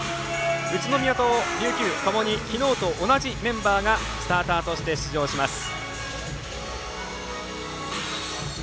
宇都宮と琉球ともにきのうと同じメンバーがスターターとして出場します。